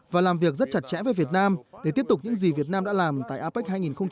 và làm việc rất chặt chẽ với việt nam để tiếp tục những gì việt nam đã làm tại apec hai nghìn hai mươi